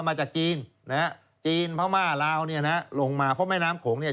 มาจากจีนนะฮะจีนพม่าลาวเนี่ยนะฮะลงมาเพราะแม่น้ำโขงเนี่ย